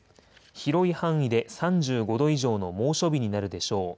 広い範囲で３５度以上の猛暑日になるでしょう。